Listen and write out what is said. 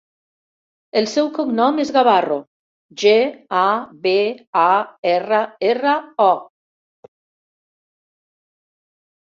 El seu cognom és Gabarro: ge, a, be, a, erra, erra, o.